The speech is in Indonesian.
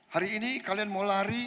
hari ini kalian mau lari